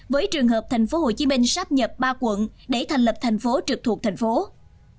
với trường hợp tp hcm sáp nhập ba quận để thành lập tp trực thuộc tp hcm